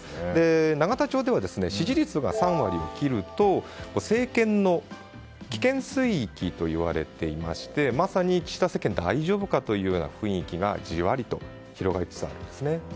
永田町では支持率が３割を切ると政権の危険水域といわれていましてまさに岸田政権は大丈夫かというような雰囲気がじわりと広がりつつあるんですね。